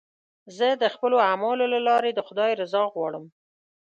زه د خپلو اعمالو له لارې د خدای رضا غواړم.